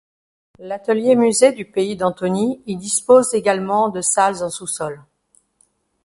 L'atelier-musée du pays d'Antony y dispose également de salles en sous-sol.